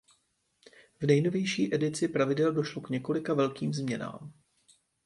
V nejnovější edici pravidel došlo k několika velkým změnám.